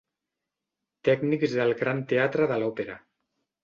Tècnics del gran teatre de l'òpera.